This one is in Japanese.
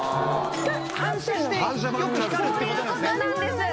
反射してよく光るってことなんですね。